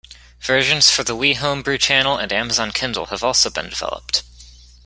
Versions for the Wii Homebrew Channel and Amazon Kindle have also been developed.